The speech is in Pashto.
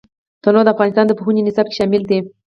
تنوع د افغانستان د پوهنې نصاب کې شامل دي.